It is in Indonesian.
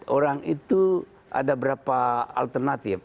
orang itu ada berapa alternatif